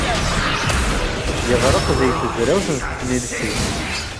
Yeɣreq deg tezrawt n tesnilsit.